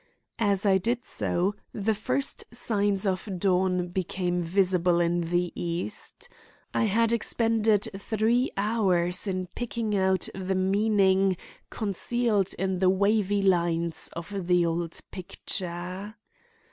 As I did so, the first signs of dawn became visible in the east. I had expended three hours in picking out the meaning concealed in the wavy lines of the old picture.